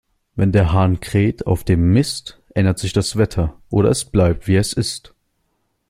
Wenn der Hahn kräht auf dem Mist, ändert sich das Wetter, oder es bleibt, wie es ist.